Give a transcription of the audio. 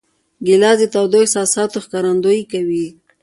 ګیلاس د تودو احساساتو ښکارندویي کوي.